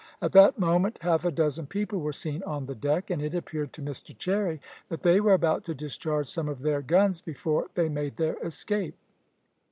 At that moment half a dozen people were seen on the deck, and it appeared to Mr Cherry that they were about to discharge some of their guns before they made their escape.